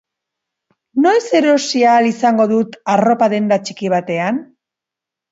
Noiz erosi ahal izango dut arropa denda txiki batean?